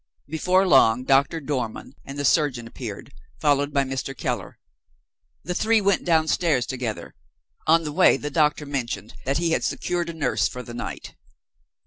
Before long, Doctor Dormann and the surgeon appeared, followed by Mr. Keller. The three went downstairs together. On the way, the Doctor mentioned that he had secured a nurse for the night.